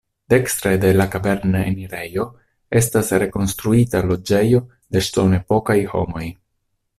Dekstre de la kavernenirejo estas rekonstruita loĝejo de ŝtonepokaj homoj.